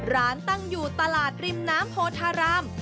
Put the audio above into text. ร้านตั้งอยู่ตลาดริมน้ำโพธาราม